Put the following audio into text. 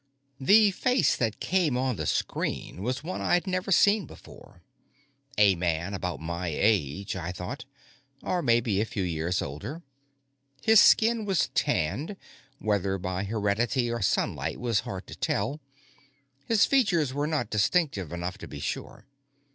The face that came on the screen was one I'd never seen before. A man about my age, I thought, or maybe a few years older. His skin was tanned whether by heredity or sunlight was hard to tell; his features were not distinctive enough to be sure.